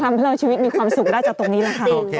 ทำเพื่อนชีวิตมีความสุขได้จากตรงนี้อยู่แล้วครับ